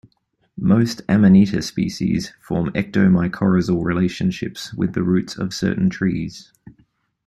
Most "Amanita" species form ectomycorrhizal relationships with the roots of certain trees.